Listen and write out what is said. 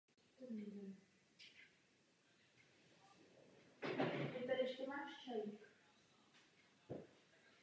Přišel o svou identitu.